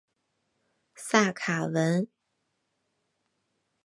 萨卡文。